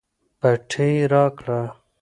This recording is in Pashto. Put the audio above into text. پټۍ راکړه